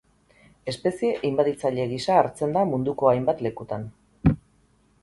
Espezie inbaditzaile gisa hartzen da munduko hainbat lekutan.